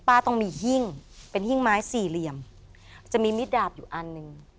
ต้องมีหิ้งเป็นหิ้งไม้สี่เหลี่ยมจะมีมิดดาบอยู่อันหนึ่ง